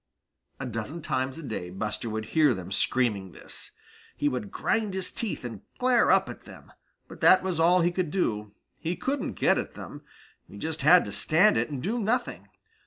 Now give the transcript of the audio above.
A dozen times a day Buster would hear them screaming this. He would grind his teeth and glare up at them, but that was all he could do. He couldn't get at them. He just had to stand it and do nothing.